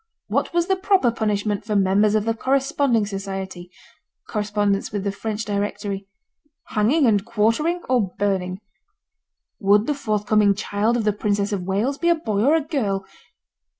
'What was the proper punishment for members of the Corresponding Society (correspondence with the French directory), hanging and quartering, or burning?' 'Would the forthcoming child of the Princess of Wales be a boy or a girl?